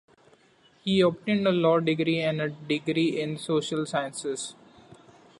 He obtained a law degree and a degree in Social Sciences.